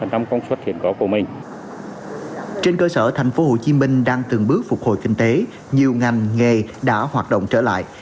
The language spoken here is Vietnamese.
trên cơ sở tp hcm đang từng bước phục hồi kinh tế nhiều ngành nghề đã hoạt động trở lại